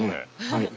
はい。